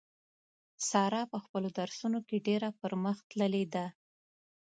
ساره په خپلو درسو نو کې ډېره پر مخ تللې ده.